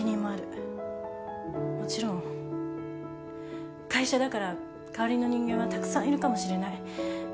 もちろん会社だから代わりの人間はたくさんいるかもしれない。